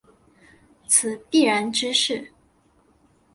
此必然之势。